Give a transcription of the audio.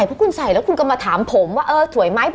เพราะคุณใส่แล้วคุณก็มาถามผมว่าเออสวยไหม